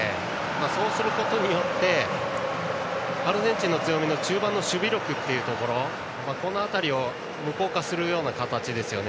そうすることでアルゼンチンの強みの中盤の守備力というところこの辺りを無効化するような形ですね。